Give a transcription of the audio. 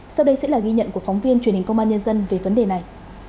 sau đây sẽ là ghi nhận của phóng viên truyền hình công an nhân dân về vấn đề này